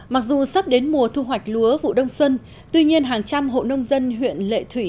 mặc dù sắp đến mùa thu hoạch lúa vụ đông xuân tuy nhiên hàng trăm hộ nông dân huyện lệ thủy